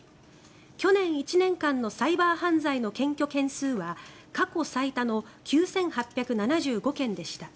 去年１年間のサイバー犯罪の検挙件数は過去最多の９８７５件でした。